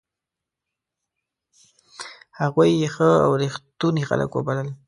هغوی یې ښه او ریښتوني خلک وبلل.